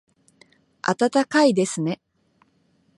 暖かいですね